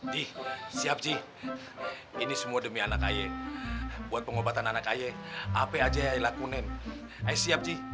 ji siap ji ini semua demi anak kaya buat pengobatan anak kaya apa aja yang dilakuin ayo siap ji